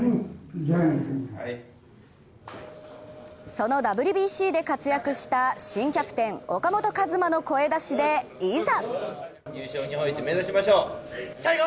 そのＷＢＣで活躍した新キャプテン・岡本和真の声出しで、いざ！